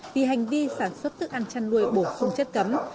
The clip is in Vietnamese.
thì hành vi sản xuất thức ăn chăn nuôi bổ sung chất cấm